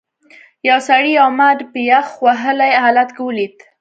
یو سړي یو مار په یخ وهلي حالت کې ولید.